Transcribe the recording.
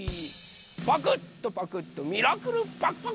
パクッとパクッとミラクルパクパク！